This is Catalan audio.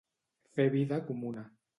Fer vida comuna.